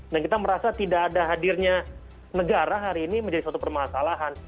dan kita merasa tidak ada hadirnya negara hari ini menjadi suatu permasalahan